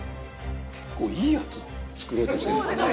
結構いいやつ作ろうとしてるんですね。